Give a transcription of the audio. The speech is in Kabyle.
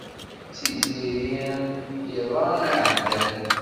D tiziri iḍ-a iɛeddan.